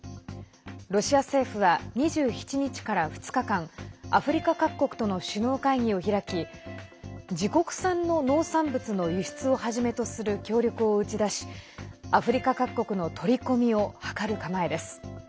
ロシア政府は２７日から２日間アフリカ各国との首脳会議を開き自国産の農産物の輸出をはじめとする協力を打ち出しアフリカ各国の取り込みを図る構えです。